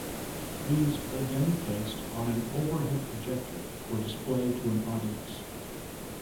These are then placed on an overhead projector for display to an audience.